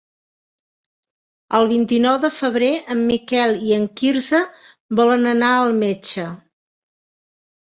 El vint-i-nou de febrer en Miquel i en Quirze volen anar al metge.